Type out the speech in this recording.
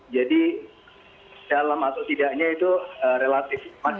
jadi dalam atau tidaknya itu relatif